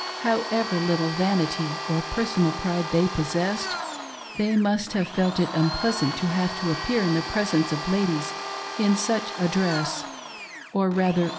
However little vanity or personal pride they possessed, they must have felt it unpleasant to have to appear in the presence of ladies in such a dress — or rather